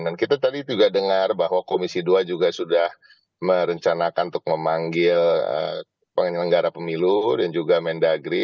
dan kita tadi juga dengar bahwa komisi dua juga sudah merencanakan untuk memanggil penyelenggara pemilu dan juga mendagri